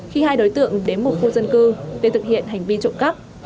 khi hai đối tượng đến một khu dân cư để thực hiện hành vi trộm cắp